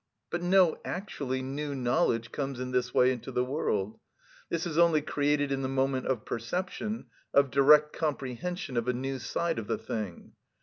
But no actually new knowledge comes in this way into the world; this is only created in the moment of perception, of direct comprehension of a new side of the thing.